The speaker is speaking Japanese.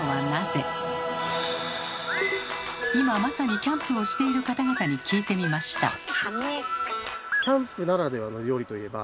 今まさにキャンプをしている方々に聞いてみました。